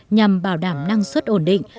nhằm bảo đảm năng suất ổn định